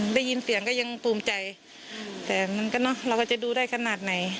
ได้ยินเสียงก็ยังปลูมใจแต่เราก็จะดูได้ขนาดไหน